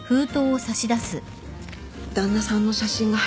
旦那さんの写真が入ってる。